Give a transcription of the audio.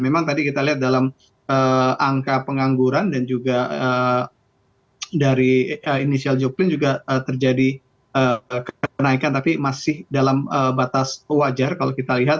memang tadi kita lihat dalam angka pengangguran dan juga dari inisial jokplin juga terjadi kenaikan tapi masih dalam batas wajar kalau kita lihat